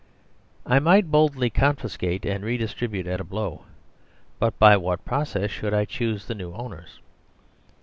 I might boldly confiscate and redistribute at a blow. But by what process should I choose the new owners